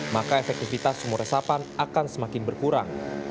maka efektivitas sumur resapan akan semakin berkurang